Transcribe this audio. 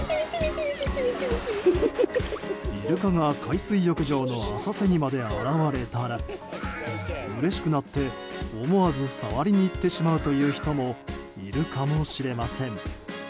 イルカが海水浴場の浅瀬にまで現れたらうれしくなって思わず触りに行ってしまうという人もいるかもしれません。